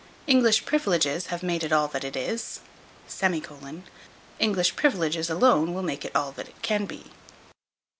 English privileges have made it all that it is; English privileges alone will make it all that it can be.